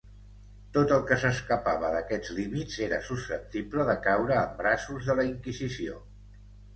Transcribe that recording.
Tot el que s'escapava d'aquests límits era susceptible de caure en braços de la Inquisició.